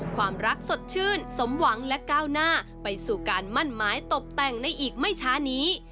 ความรักสดชื่นสมหวังและก้าวหน้าไปสู่การมั่นไม้ตบแต่งในอีกไม่ช้านี้